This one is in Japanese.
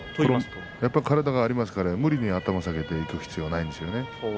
やっぱり体がありますから無理に頭を下げていく必要はないんですよね。